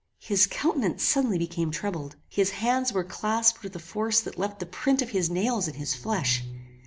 His countenance suddenly became troubled. His hands were clasped with a force that left the print of his nails in his flesh.